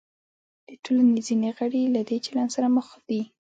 د ټولنې ځینې غړي له دې چلند سره مخ دي.